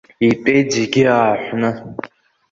Итәеит зегь ааҳәны.